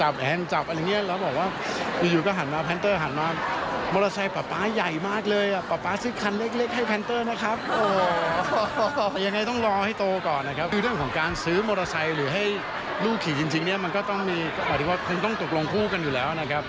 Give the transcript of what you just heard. คุณพรอยพลอยพันธุ์นั้นเองค่ะ